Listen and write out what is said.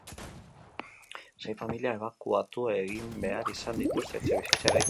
Sei familia ebakuatu egin behar izan dituzte etxebizitza eraikinean.